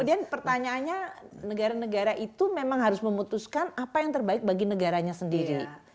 dan pertanyaannya negara negara itu memang harus memutuskan apa yang terbaik bagi negaranya sendiri